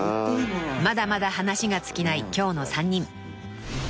［まだまだ話が尽きない今日の３人］